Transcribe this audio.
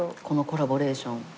このコラボレーション。